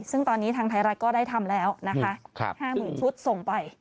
ซึ่งตอนนี้ทางไทยรัฐก็ได้ทำแล้วนะคะ๕๐๐๐ชุดส่งไป